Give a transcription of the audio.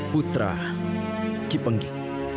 putra ki penggik